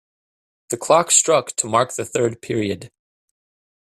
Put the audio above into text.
The clock struck to mark the third period.